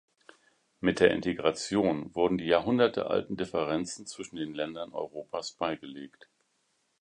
Mit der Integration wurden die jahrhundertealten Differenzen zwischen den Ländern Europas beigelegt.